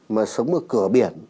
mà sống ở cửa biển